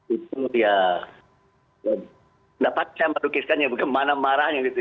itu ya tidak patah menukiskannya bagaimana marahnya gitu ya